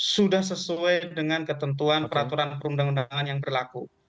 sudah sesuai dengan ketentuan peraturan perundang undangan yang berlaku